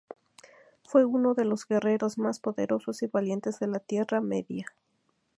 Fue uno de los guerreros más poderosos y valientes de la Tierra Media.